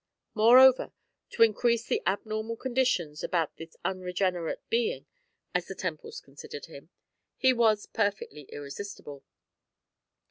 Moreover, to increase the abnormal conditions about this unregenerate being, as the Temples considered him, he was perfectly irresistible.